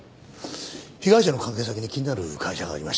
被害者の関係先に気になる会社がありました。